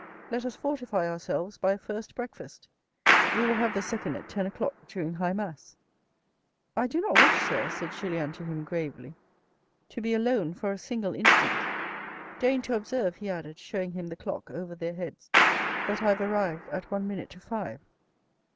Let us fortify ourselves by a first breakfast. We will have the second at ten o'clock during high mass." " I do not wish, sir," said Julien to him gravely, " to be 198 THE RED AND THE BLACK alone for a single instant. Deign to observe," he added, showing him the clock over their heads, " that I have arrived at one minute to five."